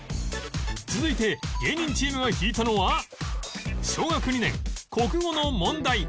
続いて芸人チームが引いたのは小学２年国語の問題